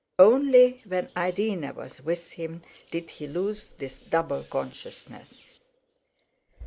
Only when Irene was with him did he lose this double consciousness.